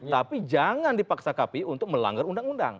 tapi jangan dipaksa kpu untuk melanggar undang undang